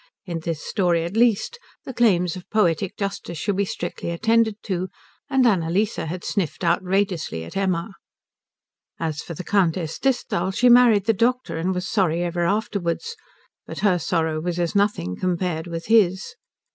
In this story at least, the claims of poetic justice shall be strictly attended to; and Annalise had sniffed outrageously at Emma. As for the Countess Disthal, she married the doctor and was sorry ever afterwards; but her sorrow was as nothing compared with his.